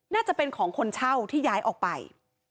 น่าจะเป็นของคนเช่าที่ย้ายออกไป